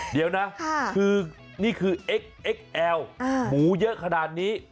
เดี๋ยวนะคือนี่คือเอ็กเอ็กซแอลหมูเยอะขนาดนี้